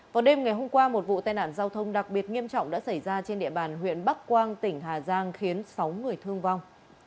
vào đêm ngày hôm qua một vụ tai nạn giao thông đặc biệt nghiêm trọng đã xảy ra trên địa bàn huyện bắc quang tỉnh hà giang khiến sáu người thương vong